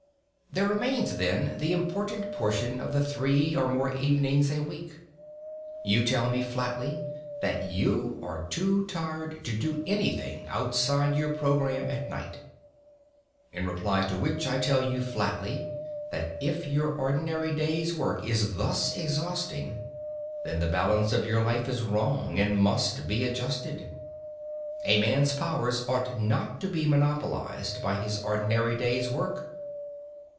There remains, then, the important portion of the three or more evenings a week. You tell me flatly that you are too tired to do anything outside your programme at night. In reply to which I tell you flatly that if your ordinary day's work is thus exhausting, then the balance of your life is wrong and must be adjusted. A man's powers ought not to be monopolised by his ordinary day's work.